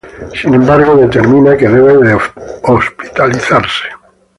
Sin embargo, determina que debe ser hospitalizada.